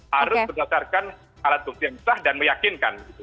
harus berdasarkan alat bukti yang sah dan meyakinkan